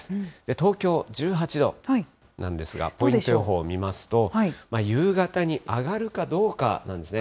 東京、１８度なんですが、ポイント予報を見ますと、夕方に上がるかどうかなんですね。